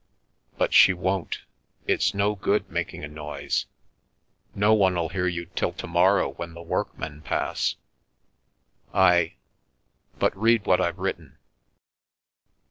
But she won't. It's no good making a noise. No one'll hear you till to morrow when the workmen pass. I — but read what I've written."